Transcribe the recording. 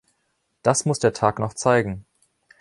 Das muss der Tag noch zeigen.